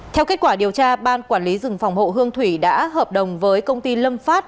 theo kết quả điều tra ban quản lý rừng phòng hộ hương thủy đã hợp đồng với công ty lâm phát